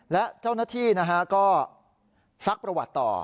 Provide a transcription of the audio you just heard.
และเจ้าหน้าที่ก็ซักประวัติต่อ